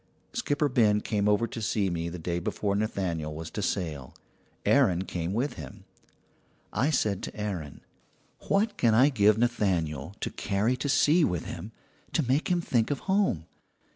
"Skipper Ben came over to see me the day before Nathaniel was to sail. Aaron came with him. "I said to Aaron: "'What can I give Nathaniel to carry to sea with him to make him think of home?